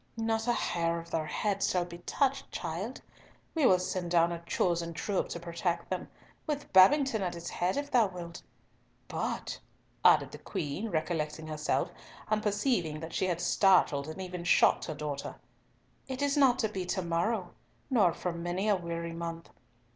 "Not a hair of their heads shall be touched, child. We will send down a chosen troop to protect them, with Babington at its head if thou wilt. But," added the Queen, recollecting herself, and perceiving that she had startled and even shocked her daughter, "it is not to be to morrow, nor for many a weary month.